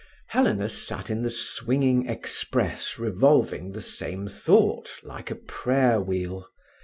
Helena sat in the swinging express revolving the same thought like a prayer wheel.